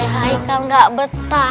haikal nggak betah